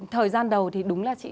thời gian đầu thì đúng là chị